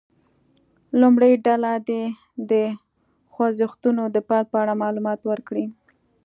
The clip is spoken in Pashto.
لومړۍ ډله دې د خوځښتونو د پیل په اړه معلومات ورکړي.